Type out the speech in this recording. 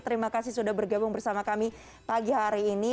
terima kasih sudah bergabung bersama kami pagi hari ini